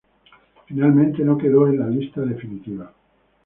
Finalmente no quedó en la lista definitiva.